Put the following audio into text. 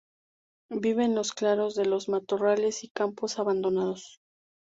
Vive en los claros de los matorrales y campos abandonados.